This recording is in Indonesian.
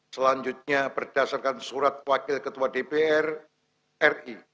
selanjutnya berdasarkan surat wakil ketua dpr ri